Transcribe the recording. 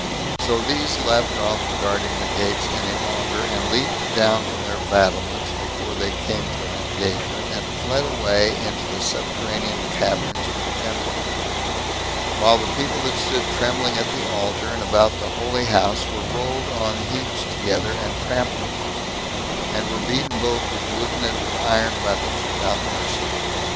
So these left off guarding the gates any longer, and leaped down from their battlements before they came to an engagement, and fled away into the subterranean caverns of the temple; while the people that stood trembling at the altar, and about the holy house, were rolled on heaps together, and trampled upon, and were beaten both with wooden and with iron weapons without mercy.